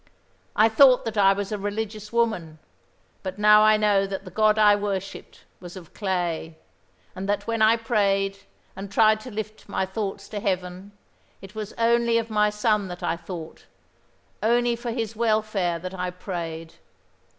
I thought that I was a religious woman; but now I know that the God I worshipped was of clay, and that when I prayed and tried to lift my thoughts to Heaven it was only of my son that I thought, only for his welfare that I prayed.